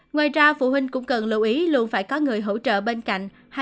ngoài ra phụ huynh cũng cần lưu ý luôn phải có người hỗ trợ bên cạnh